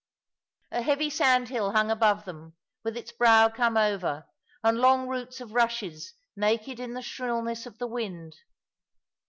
A heavy sandhill hung above them, with its brow come over; and long roots of rushes naked in the shrillness of the wind.